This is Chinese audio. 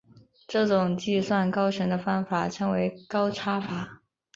这种计算高程的方法称为高差法。